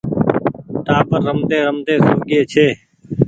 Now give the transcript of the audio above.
ٽآٻر رمتي رمتي سوگيئي ڇي۔